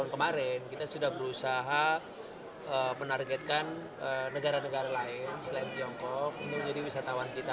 pemerintah juga menghentikan promosi wisata